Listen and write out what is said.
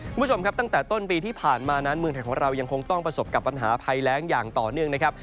คุณผู้ชมครับตั้งแต่ต้นปีที่ผ่านมานั้นเมืองไทยของเรายังคงต้องประสบกับปัญหาภัยแรงอย่างต่อเนื่องนะครับ